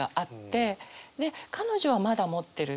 で彼女はまだ持ってる。